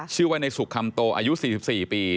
ชื่อว่าในสุขคำโตอายุ๔๔ปี